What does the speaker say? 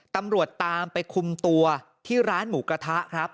ตำรวจตามไปคุมตัวที่ร้านหมูกระทะครับ